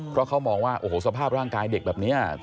เพราะเขามองว่าโอ้โหสภาพร่างกายเด็กแบบนี้